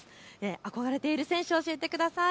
憧れている選手を教えてください。